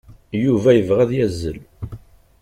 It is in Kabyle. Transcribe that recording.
Yuba yebɣa ad yazzel.